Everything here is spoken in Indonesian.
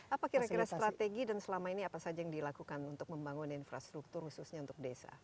apa kira kira strategi dan selama ini apa saja yang dilakukan untuk membangun infrastruktur khususnya untuk desa